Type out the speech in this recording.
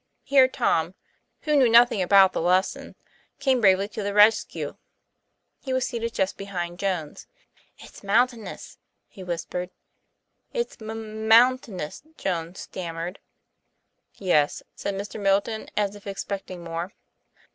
Here Tom (who knew nothing about the lesson) came bravely to the rescue. He was seated just behind Jones. 'It's mountainous," he whispered. 'It's m mountainous," Jones stammered. 'Yes," said Mr. Middleton, as if expecting more.